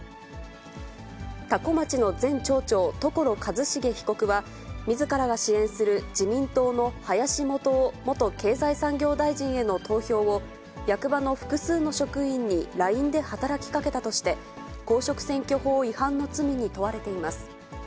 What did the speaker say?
多古町の前町長、所一重被告は、みずからが支援する自民党の林幹雄元経済産業大臣への投票を、役場の複数の職員にＬＩＮＥで働きかけたとして、公職選挙法違反の罪に問われています。